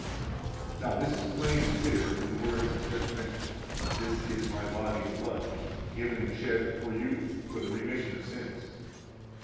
21 Now this is plain and clear from the words just mentioned: This is My body and blood, given and shed for you, for the remission of sins.